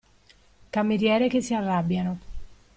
Cameriere che si arrabbiano.